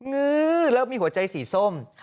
กลับมีหัวใจสีส้ม